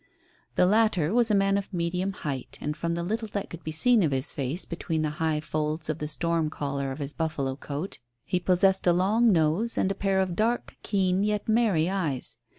The latter was a man of medium height, and from the little that could be seen of his face between the high folds of the storm collar of his buffalo coat, he possessed a long nose and a pair of dark, keen, yet merry eyes.